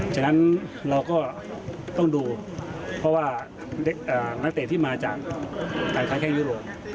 ฉะนั้นเราก็ต้องดูเพราะว่านักเตะที่มาจากการค้าแข้งยุโรป